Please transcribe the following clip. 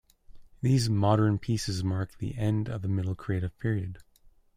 These "modern" pieces mark the end of his middle creative period.